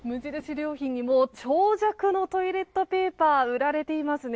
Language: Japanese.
良品にも長尺のトイレットペーパーが売られていますね。